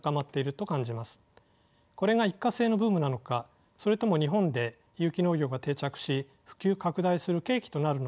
これが一過性のブームなのかそれとも日本で有機農業が定着し普及拡大する契機となるのか